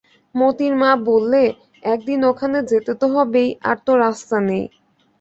মোতির মা বললে, একদিন ওখানে যেতে তো হবেই, আর তো রাস্তা নেই।